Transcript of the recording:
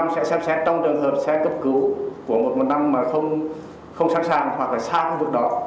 một trăm một mươi năm sẽ xem xét trong trường hợp xe cấp cứu của một trăm một mươi năm mà không sẵn sàng hoặc là xa khu vực đó